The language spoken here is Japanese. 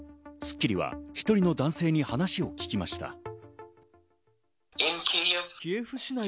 『スッキリ』は１人の男性に話を聞きました。